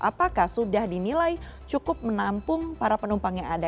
apakah sudah dinilai cukup menampung para penumpang yang ada